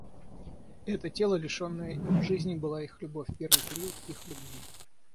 Это тело, лишенное им жизни, была их любовь, первый период их любви.